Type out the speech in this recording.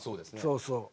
そうそう。